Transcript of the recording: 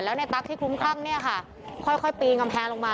แล้วในตั๊กที่คลุ้มคลั่งเนี่ยค่ะค่อยปีนกำแพงลงมา